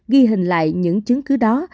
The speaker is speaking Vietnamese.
ghi hình lại những chứng cứ đó